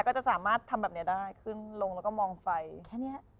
ก็จะสามารถทำแบบนี้ได้ขึ้นลงแล้วก็มองไฟแค่นี้